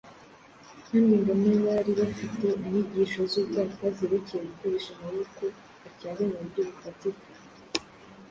kandi ngo n’abari bafite inyigisho z’ubwaka zerekeye gukoresha amaboko bacyahwe mu buryo bufatika.